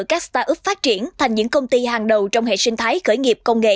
các start up phát triển thành những công ty hàng đầu trong hệ sinh thái khởi nghiệp công nghệ